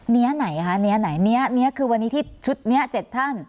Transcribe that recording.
เนี้ยไหนฮะเนี้ยไหนเนี้ยเนี้ยคือวันนี้ที่ชุดเนี้ยเจ็ดท่าน